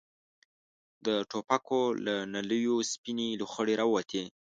د ټوپکو له نليو سپينې لوخړې را ووتې.